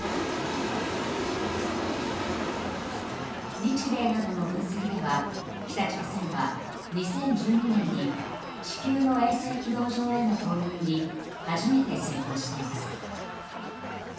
日米などの分析では北朝鮮は２０１２年に地球の衛星軌道上への投入に初めて成功しています。